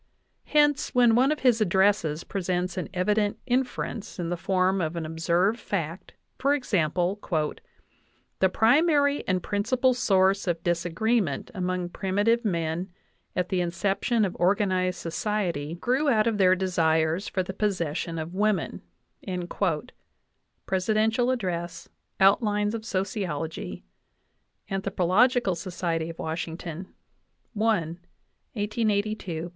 Hence when one of his addresses presents an evident inference in the form of an observed fact for example : "The primary and principal source of disagreement among primitive men at the inception of organized society grew out of their desires for the possession of women" (Presidential Address, Outlines of Sociology, Anthrop. Soc. Wash., I, 1882, p.